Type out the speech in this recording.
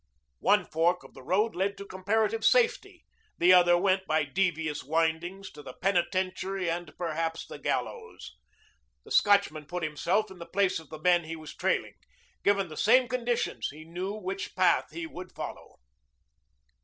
One fork of the road led to comparative safety; the other went by devious windings to the penitentiary and perhaps the gallows. The Scotchman put himself in the place of the men he was trailing. Given the same conditions, he knew which path he would follow.